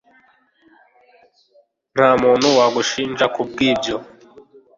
ntamuntu wagushinja kubwibyo